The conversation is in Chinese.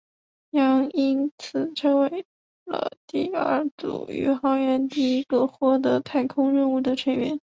杨因此成为了第二组宇航员第一个获得太空任务的成员。